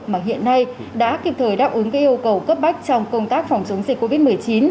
mà hiện nay đã kịp thời đáp ứng các yêu cầu cấp bách trong công tác phòng chống dịch covid một mươi chín